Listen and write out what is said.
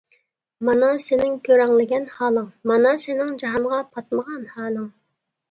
مانا سېنىڭ كۆرەڭلىگەن ھالىڭ، مانا سېنىڭ جاھانغا پاتمىغان ھالىڭ!